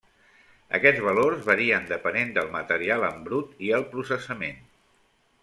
Aquests valors varien depenent del material en brut i el processament.